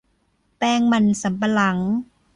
แป้งมันสำปะหลัง